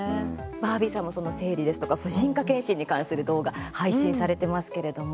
バービーさんも生理ですとか婦人科検診に関する動画配信されてますけれども。